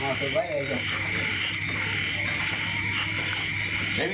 อย่างนี้หรือเป็นยาม